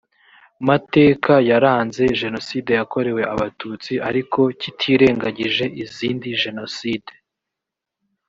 mateka yaranze jenoside yakorewe abatutsi ariko kitirengagije izindi jenoside